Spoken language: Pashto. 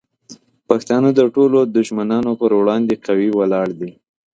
پښتانه د ټولو دشمنانو پر وړاندې قوي ولاړ دي.